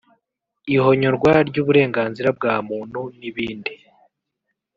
ihonyorwa ry’uburenganzira bwa muntu n’ibindi